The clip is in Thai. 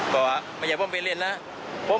ก็เสียหลักมาจนเลยเนี่ย